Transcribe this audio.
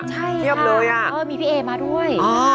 ใช่ค่ะมีพี่เอมาด้วย